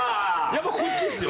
やっぱこっちっすよ。